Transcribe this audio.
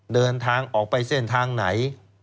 เดินทางออกไปเส้นทางไหน